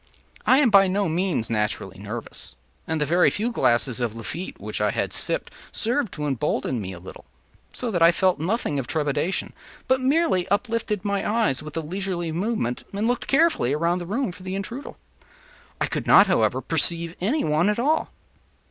I am by no means naturally nervous, and the very few glasses of Lafitte which I had sipped served to embolden me no little, so that I felt nothing of trepidation, but merely uplifted my eyes with a leisurely movement, and looked carefully around the room for the intruder. I could not, however, perceive any one at all.